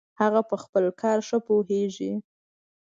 هغه په خپل کار ښه پوهیږي